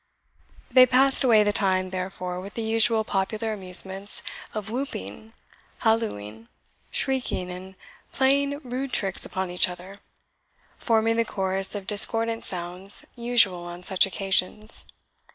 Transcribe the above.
They passed away the time, therefore, with the usual popular amusements of whooping, hallooing, shrieking, and playing rude tricks upon each other, forming the chorus of discordant sounds usual on such occasions.